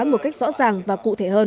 một cách rõ ràng và cụ thể hơn